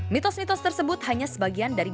mitos mitos tersebut hanya sebagian dari